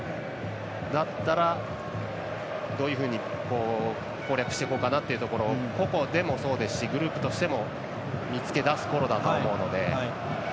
だったら、どういうふうに攻略していこうかなと個々でもそうですしグループとしても見つけだすころだと思うので。